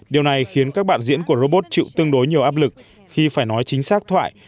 điều này khiến các bạn diễn của robot chịu tương đối nhiều áp lực khi phải nói chính xác thoại